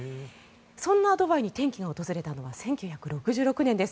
そんなドバイに転機が訪れたのは１９６６年です。